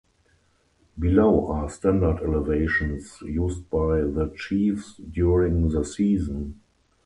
Below are standard elevations used by the Chiefs during the season.